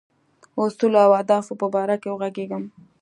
اصولو او اهدافو په باره کې وږغېږم.